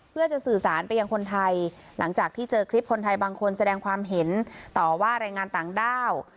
เพื่อจะสื่อสารไปยังคนไทยหลังจากที่เจอคลิปคนไทยบางคนแสดงความเห็นต่อว่าแรงงานต่างด้าว